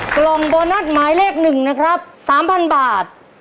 กล่องโบนัสหมายเลข๑นะครับ๓๐๐บาท